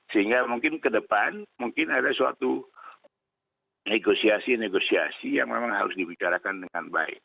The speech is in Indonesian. sehingga mungkin ke depan mungkin ada suatu negosiasi negosiasi yang memang harus dibicarakan dengan baik